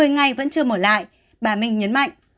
một mươi ngày vẫn chưa mở lại bà minh nhấn mạnh